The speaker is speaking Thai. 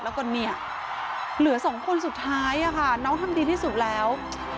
แล้วก็เนี่ยเหลือสองคนสุดท้ายค่ะน้องทำดีที่สุดแล้ว